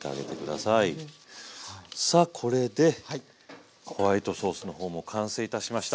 さあこれでホワイトソースの方も完成いたしました。